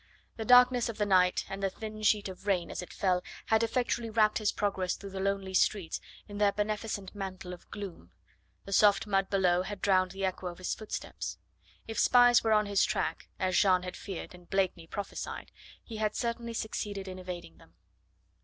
The darkness of the night and the thin sheet of rain as it fell had effectually wrapped his progress through the lonely streets in their beneficent mantle of gloom; the soft mud below had drowned the echo of his footsteps. If spies were on his track, as Jeanne had feared and Blakeney prophesied, he had certainly succeeded in evading them.